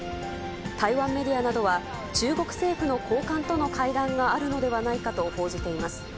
台湾メディアなどは、中国政府の高官との会談があるのではないかと報じています。